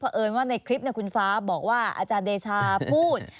เพราะเอิญว่าในคลิปคุณฟ้าบอกว่าอาจารย์เดชาพูด